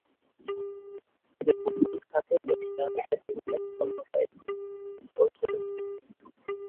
এদের প্রধাণ খাদ্য দক্ষিণ আমেরিকার বিভিন্ন স্তন্যপায়ী ও সরীসৃপ।